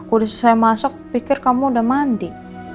aku udah selesai masuk pikir kamu udah mandi